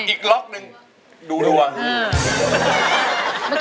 อีกล็อกนึงดูดวง